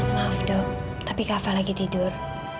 maaf dok tapi kak fah lagi tidur